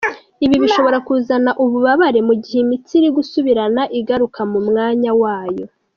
Ibi bishobora kuzana ububabare mu gihe imitsi iri gusubirana igaruka mu mwanya wayo.